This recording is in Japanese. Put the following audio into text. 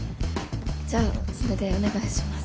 じゃあそれでお願いします。